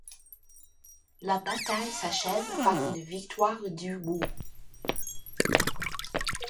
La bataille s’achève par une victoire du Wu.